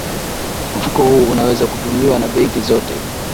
mfuko huu unaweza kutumiwa na benki zote